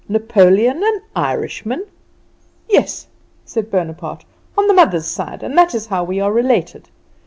"Napoleon an Irishman!" "Yes," said Bonaparte, "on the mother's side, and that is how we are related.